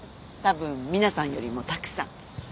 たぶん皆さんよりもたくさん。